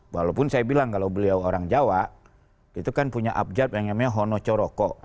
walaupun saya bilang kalau beliau orang jawa itu kan punya abjad yang namanya hono choroko